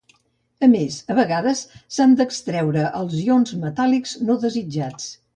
A més, a vegades s"han d"extreure els ions metàl·lics no desitjats.